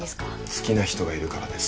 好きな人がいるからです